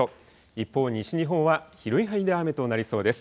一方、西日本は広い範囲で雨となりそうです。